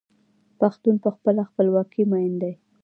پښتون په خپله خپلواکۍ مین دی.